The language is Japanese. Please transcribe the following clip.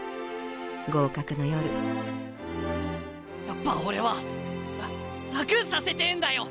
やっぱ俺は楽させてえんだよ